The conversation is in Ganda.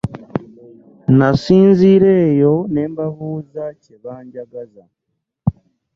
Nasinziira eyo ne mbabuuza kye banjagaza.